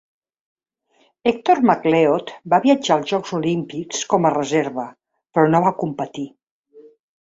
Hector McLeod va viatjar als Jocs Olímpics com a reserva però no va competir.